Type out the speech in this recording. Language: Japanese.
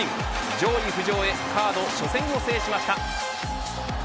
上位浮上へカード初戦を制しました。